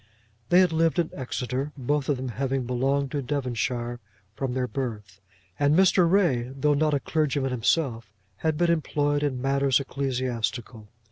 They had lived in Exeter, both of them having belonged to Devonshire from their birth; and Mr. Ray, though not a clergyman himself, had been employed in matters ecclesiastical.